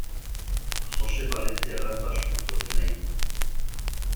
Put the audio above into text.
Jose Balentziaga Basurto zen aita.